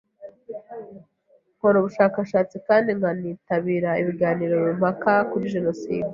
Nkora ubushakashatsi kandi nkanitabira ibiganiro mpaka kuri jenoside